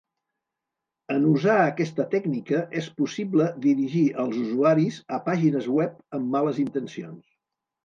En usar aquesta tècnica és possible dirigir als usuaris a pàgines web amb males intencions.